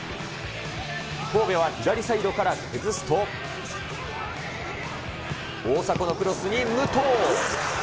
神戸は左サイドから崩すと、大迫のクロスに武藤。